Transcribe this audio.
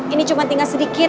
ini cuma tinggal sedikit